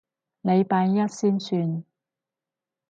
禮拜一先算